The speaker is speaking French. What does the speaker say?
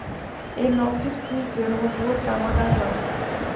Il n'en subsiste de nos jours qu'un magasin.